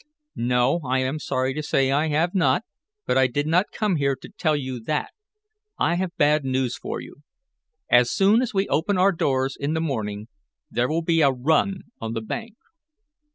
"No, I am sorry to say I have not, but I did not come here to tell you that. I have bad news for you. As soon as we open our doors in the morning, there will be a run on the bank."